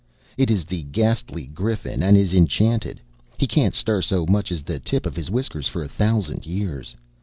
It is the Ghastly Griffin and is enchanted. He can't stir so much as the tip of his whiskers for a thousand years.